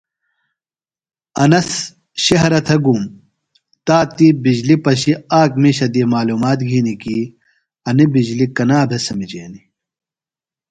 انس شہرہ تھےۡ گُوم۔ تا تی بجلیۡ پشیۡ آک مِیشہ دی معلومات گِھینیۡ کی انیۡ بِجلی کنا بھےۡ سمِجینیۡ۔